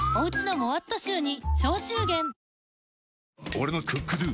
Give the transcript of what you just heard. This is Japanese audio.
俺の「ＣｏｏｋＤｏ」！